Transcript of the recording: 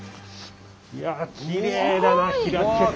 いやきれいだな開けて。